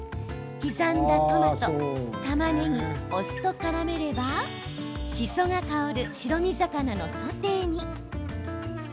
刻んだトマト、たまねぎお酢とからめればしそが香る白身魚のソテーに。